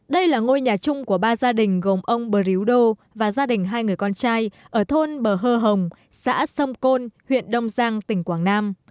đây là ngôi nhà chung của ba gia đình gồm ông bờ ríu đô và gia đình hai người con trai ở thôn bờ hơ hồng xã sông côn huyện đông giang tỉnh quảng nam